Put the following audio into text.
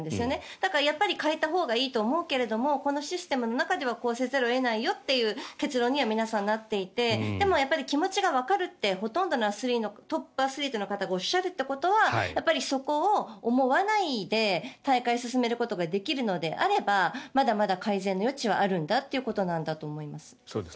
だからやっぱり変えたほうがいいとは思うけれどもこのシステムの中ではこうせざるを得ないよという結論には皆さんなっていてでも、気持ちがわかるってほとんどのトップアスリートの方がおっしゃるってことはやっぱりそこを思わないで大会を進めることができるのであればまだまだ改善の余地はあるんだということだと思います。